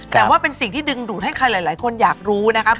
แต่ว่าเป็นสิ่งที่ดึงดูดให้ใครหลายคนอยากรู้นะครับ